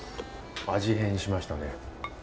味変しましたね。